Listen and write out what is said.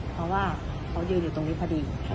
เพราะว่าเขายืนอยู่ตรงนี้พอดี